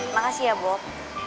makasih ya bob